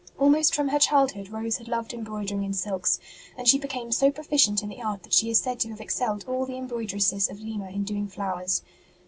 Almost from her childhood Rose had loved embroidering in silks, and she became so proficient in the art that she is said to have excelled all the embroidresses of Lima in doing flowers.